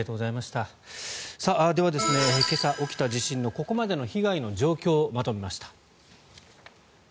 では、今朝起きた地震のここまでの被害の状況をまとめました。